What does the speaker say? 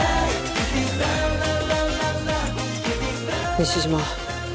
西島。